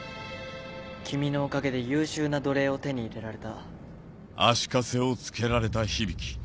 君のおかげで優秀な奴隷を手に入れられた。